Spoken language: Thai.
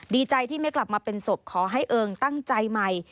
ดีใจที่ไม่กลับมาเป็นศพขอให้เอิงตั้งใจใหม่